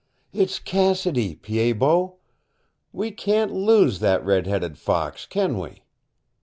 "It's Cassidy, Pied Bot! We can't lose that redheaded fox, can we?"